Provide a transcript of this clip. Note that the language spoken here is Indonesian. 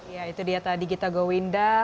ya itu dia tadi gita gowinda